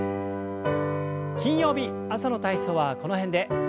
金曜日朝の体操はこの辺で。